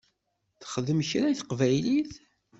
Texdem kra i teqbaylit?